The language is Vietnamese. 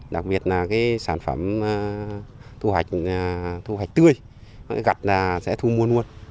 đặc biệt là sản phẩm thu hoạch tươi gặt sẽ thu muôn muôn